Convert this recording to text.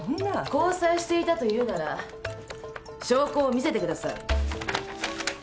交際していたと言うなら証拠を見せてください。